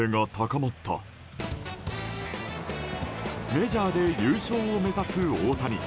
メジャーで優勝を目指す大谷。